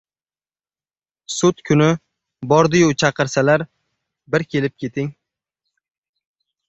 Sud kuni bordi-yu chaqirsalar, bir kelib keting.